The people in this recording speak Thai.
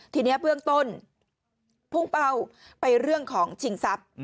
ทีนี้เบื้องต้นพุ่งเป้าไปเรื่องของชิงทรัพย์